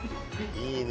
いいね。